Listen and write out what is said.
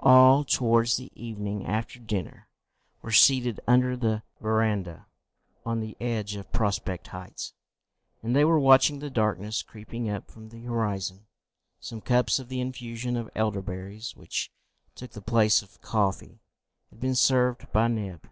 All, towards the evening after dinner, were seated under the verandah on the edge of Prospect Heights, and they were watching the darkness creeping up from the horizon. Some cups of the infusion of elder berries, which took the place of coffee, had been served by Neb.